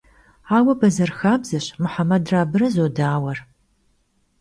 Aue, bezer xabzeşi, Muhemedre abıre zodauer.